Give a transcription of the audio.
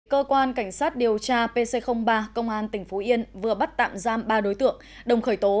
cơ quan cảnh sát điều tra pc ba công an tỉnh phú yên vừa bắt tạm giam ba đối tượng đồng khởi tố